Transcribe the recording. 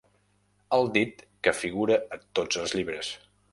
El dit que figura a tots els llibres.